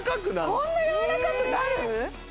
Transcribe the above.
こんなやわらかくなる？